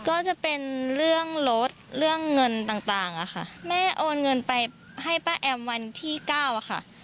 ก็จะเป็นเรื่องรถเรื่องเงินต่างต่างอะค่ะแม่โอนเงินไปให้ป้าแอมวันที่เก้าอะค่ะ